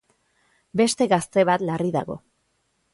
Beste gazte bat larri dago.